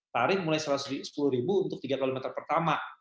tarif mulai rp satu ratus sepuluh untuk tiga km pertama